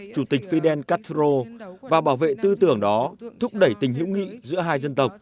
chủ tịch fidel castro và bảo vệ tư tưởng đó thúc đẩy tình hữu nghị giữa hai dân tộc